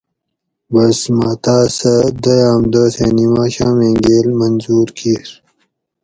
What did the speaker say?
بس مہ تاۤس سہۤ دویاۤم دوسیں نِماشامیں گیل منظور کِیر